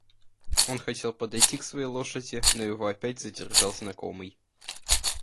Он хотел подойти к своей лошади, но его опять задержал знакомый.